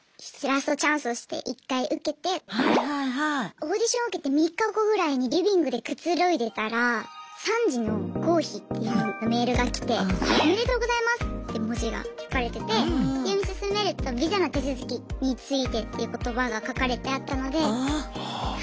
オーディション受けて３日後ぐらいにリビングでくつろいでたら「３次の合否」っていうメールが来て「おめでとうございます」って文字が書かれててで読み進めると「ビザの手続きについて」っていう言葉が書かれてあったのでは